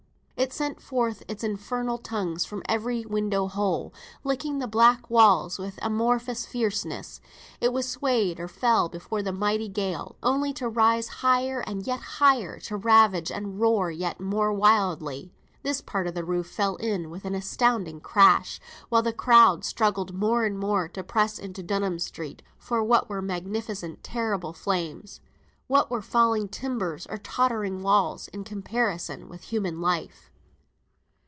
It sent forth its infernal tongues from every window hole, licking the black walls with amorous fierceness; it was swayed or fell before the mighty gale, only to rise higher and yet higher, to ravage and roar yet more wildly. This part of the roof fell in with an astounding crash, while the crowd struggled more and more to press into Dunham Street, for what were magnificent terrible flames, what were falling timbers or tottering walls, in comparison with human life?